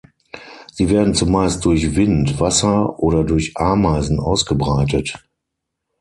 Sie werden zumeist durch Wind, Wasser oder durch Ameisen ausgebreitet.